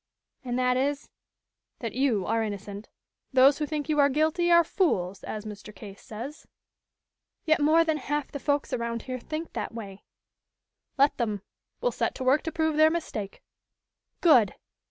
"And that is " "That you are innocent. Those who think you are guilty are fools, as Mr. Case says." "Yet more than half the folks around here think that way." "Let them. We'll set to work to prove their mistake." "Good!"